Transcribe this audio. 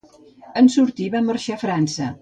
En sortir, va marxar a França.